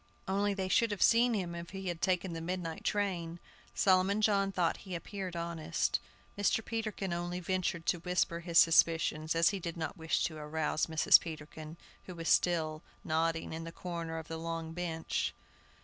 Only they should have seen him if he had taken the midnight train. Solomon John thought he appeared honest. Mr. Peterkin only ventured to whisper his suspicions, as he did not wish to arouse Mrs. Peterkin, who still was nodding in the corner of the long bench.